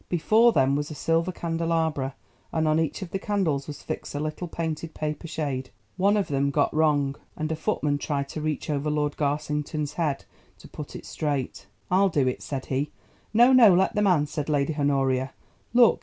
Before them was a silver candelabra and on each of the candles was fixed a little painted paper shade. One of them got wrong, and a footman tried to reach over Lord Garsington's head to put it straight. "I'll do it," said he. "No, no; let the man," said Lady Honoria. "Look!